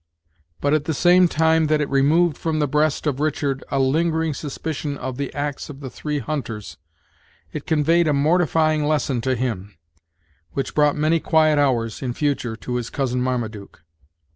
But, at the same time that it removed from the breast of Richard a lingering suspicion of the acts of the three hunter, it conveyed a mortifying lesson to him, which brought many quiet hours, in future, to his cousin Marmaduke.